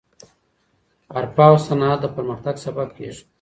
حرفه او صنعت د پرمختګ سبب کیږي.